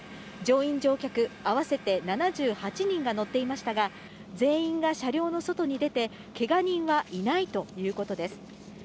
乗員・乗客合わせて７８人が乗っていましたが、全員が車両の外に出て、けが人はいないということです。